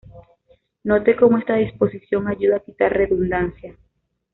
Note como esta disposición ayuda a quitar redundancia.